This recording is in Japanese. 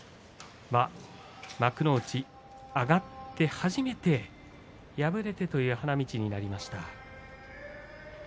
幕内上がって初めて敗れてという花道になりました。